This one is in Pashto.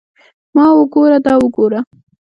ما وګوره دا وګوره.